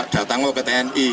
datanglah ke tni